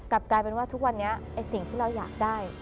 กลายเป็นว่าทุกวันนี้ไอ้สิ่งที่เราอยากได้